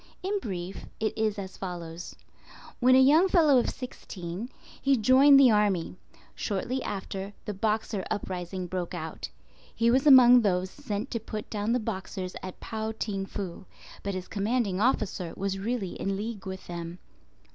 In brief, it is as follows:—When a young fellow of sixteen, he joined the army. Shortly after, the Boxer Uprising broke out. He was among those sent to put down the Boxers at Pao ting fu, but his commanding officer was really in league with them.